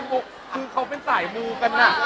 คือเค้าเป็นสายมูค์กันน่ะ